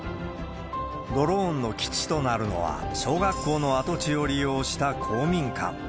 ドローンの基地となるのは、小学校の跡地を利用した公民館。